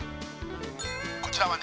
こちらはね